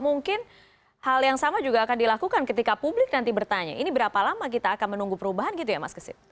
mungkin hal yang sama juga akan dilakukan ketika publik nanti bertanya ini berapa lama kita akan menunggu perubahan gitu ya mas kesit